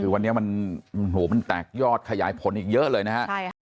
คือวันนี้มันโอ้โหมันแตกยอดขยายผลอีกเยอะเลยนะฮะใช่ครับ